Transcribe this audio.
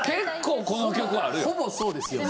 ほぼそうですよね。